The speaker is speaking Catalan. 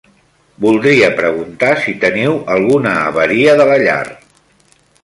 Voldria preguntar si teniu alguna avaria de la llar.